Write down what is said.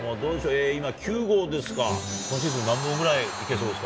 今９号ですか、今シーズン、何本ぐらい行けそうですか？